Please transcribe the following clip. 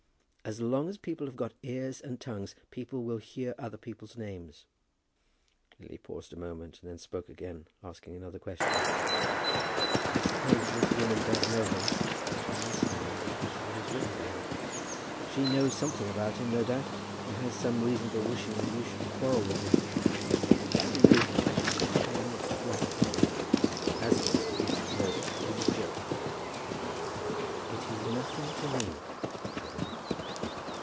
"As long as people have got ears and tongues, people will hear other people's names." Lily paused a moment, and then spoke again, asking another question. "I suppose this woman does know him? She must know him, because he has written to her." "She knows something about him, no doubt, and has some reason for wishing that you should quarrel with him. If I were you, I should take care not to gratify her. As for Mr. Eames's note, it is a joke." "It is nothing to me," said Lily.